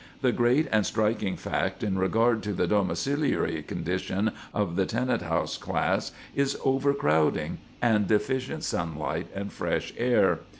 The great and striking fact in regard to the domiciliary condition of the tenant house class is overcrowding and deficient sunlight and fresh air.